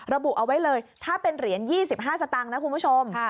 ระบุเอาไว้เลยถ้าเป็นเหรียญ๒๕สตางค์นะคุณผู้ชม